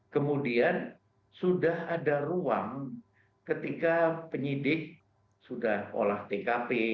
kemudian sudah ada ruang ketika penyidik sudah olah tkp